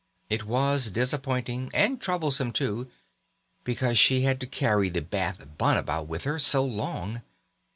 It was disappointing, and troublesome too, because she had to carry the Bath bun about with her so long.